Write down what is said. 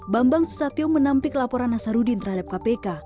bambang susatyo menampik laporan nasarudin terhadap kpk